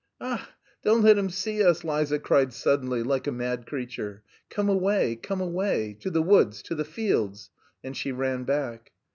"Ach! Don't let him see us!" Liza cried suddenly, like a mad creature. "Come away, come away! To the woods, to the fields!" And she ran back.